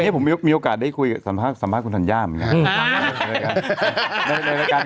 ผมมีโอกาสได้คุยสัมภาษณ์คุณธัญญาเหมือนกัน